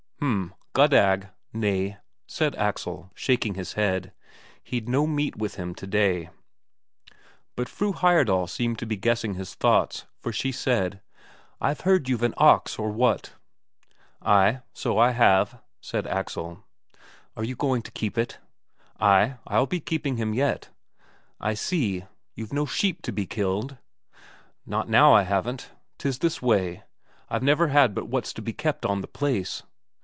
"H'm, Goddag. Nay," said Axel, shaking his head; he'd no meat with him today. But Fru Heyerdahl seemed to be guessing his thoughts, for she said: "I've heard you've an ox, or what?" "Ay, so I have," said Axel. "Are you going to keep it?" "Ay, I'll be keeping him yet." "I see. You've no sheep to be killed?" "Not now I haven't. 'Tis this way, I've never had but what's to be kept on the place."